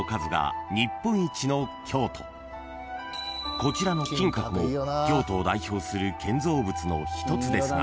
［こちらの金閣も京都を代表する建造物の一つですが］